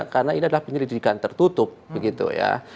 karena ini adalah penyelidikan tertutup begitu ya